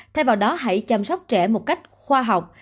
thay vào đó hãy chăm sóc trẻ một cách khoa học